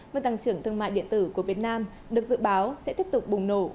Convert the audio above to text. mức tăng trưởng thương mại điện tử của việt nam được dự báo sẽ tiếp tục bùng nổ